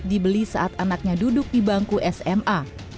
dibeli saat anaknya duduk di bangku sma